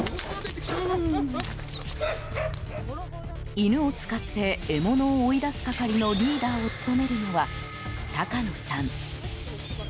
犬を使って獲物を追い出す係のリーダーを務めるのは高野さん。